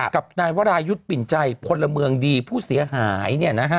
กับนายวรายุทธ์ปิ่นใจพลเมืองดีผู้เสียหาย